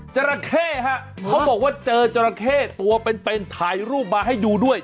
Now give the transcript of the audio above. จราเข้ฮะเขาบอกว่าเจอจราเข้ตัวเป็นถ่ายรูปมาให้ดูด้วย